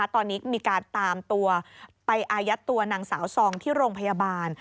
ตอนนี้มีการตามตัวไปอายัดตัวนางสาวซองที่โรงพยาบาล